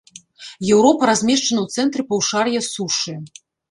Еўропа размешчана ў цэнтры паўшар'я сушы.